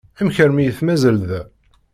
Amek armi i t-mazal da?